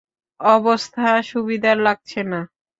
অবস্থা সুবিধার লাগছে না।